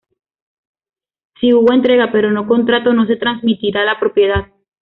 Si hubo entrega pero no contrato, no se transmitirá la propiedad.